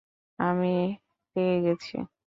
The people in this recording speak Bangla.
আমি পেয়ে গেছি!